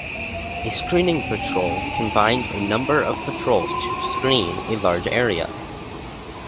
A screening patrol combines a number of patrols to 'screen' a large area.